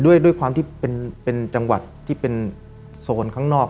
ด้วยความที่เป็นจังหวัดที่เป็นโซนข้างนอก